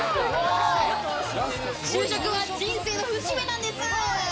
就職は人生の節目なんです。